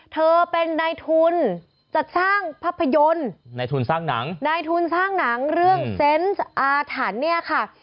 เธอเป็นนายทุนจัดสร้างภาพยนตร์ในทุนสร้างหนังนายทุนสร้างหนังเรื่องเซนต์อาถรรพ์เนี่ยค่ะ